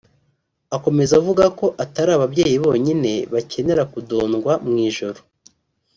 Akomeza avuga ko atari ababyeyi bonyine bakenera kudodwa mu ijoro